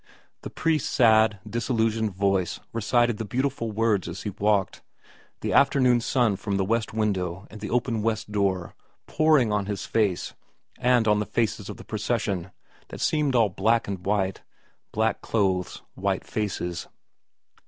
... The priest's sad, disillusioned voice recited the beautiful words as he walked, the afternoon sun from IV VERA 35 the west window and the open west door pouring on his face and on the faces of the procession that seemed all black and white, black clothes, white faces.